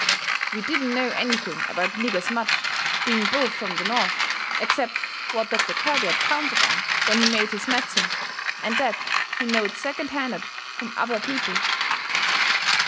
We didn't know anything about niggers much, being both from the North, except what Doctor Kirby had counted on when he made his medicine, and THAT he knowed second handed from other people.